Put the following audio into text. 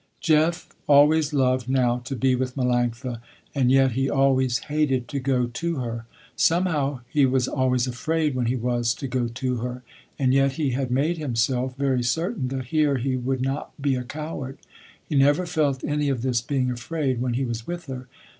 Jeff always loved now to be with Melanctha and yet he always hated to go to her. Somehow he was always afraid when he was to go to her, and yet he had made himself very certain that here he would not be a coward. He never felt any of this being afraid, when he was with her.